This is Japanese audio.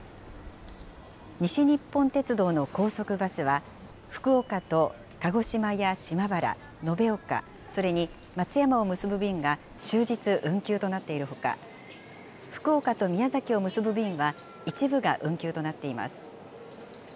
西日本鉄道の高速バスは、福岡と鹿児島や島原、延岡、それに松山を結ぶ便が終日運休となっているほか、福岡と宮崎を結ぶ便は一部が運休となっています。